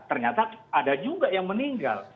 ternyata ada juga yang meninggal